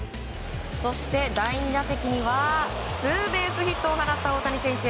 そして、第２打席にはツーベースヒットを放った大谷選手。